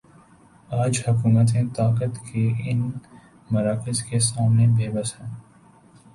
آج حکومتیں طاقت کے ان مراکز کے سامنے بے بس ہیں۔